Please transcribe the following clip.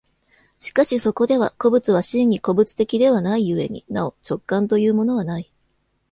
しかしそこでは個物は真に個物的ではない故になお直観というものはない。